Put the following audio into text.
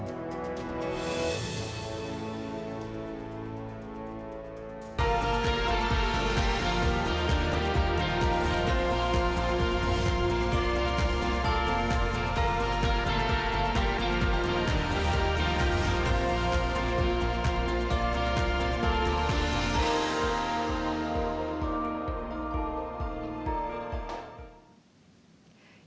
ketua asean ketua perintah perintah perintah